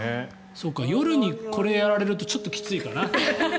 夜にこれをやられるとちょっときついかな。